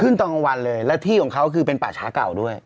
ตอนกลางวันเลยและที่ของเขาคือเป็นป่าช้าเก่าด้วย